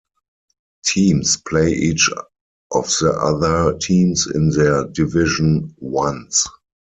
Teams play each of the other teams in their division once.